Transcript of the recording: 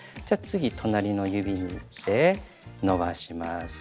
じゃ次隣の指にいって伸ばします。